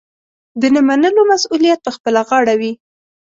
د نه منلو مسوولیت پخپله غاړه وي.